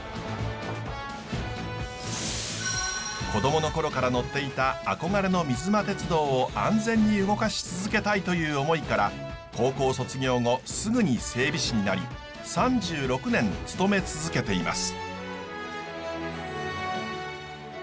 こどもの頃から乗っていた憧れの水間鉄道を安全に動かし続けたいという思いから高校卒業後すぐに整備士になり３６年勤め続けています。